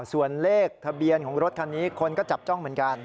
ส่วนเลขทะเบียนของรถคันนี้คนก็จับจ้องเหมือนกัน